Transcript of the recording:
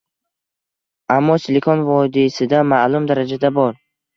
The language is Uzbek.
Ammo Silikon vodiysida maʼlum darajada bor.